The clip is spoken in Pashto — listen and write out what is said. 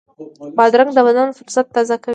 بادرنګ د بدن فُرصت تازه کوي.